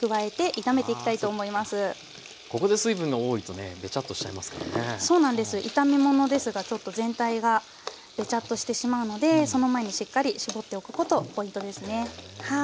炒め物ですがちょっと全体がべちゃっとしてしまうのでその前にしっかり絞っておくことポイントですねはい。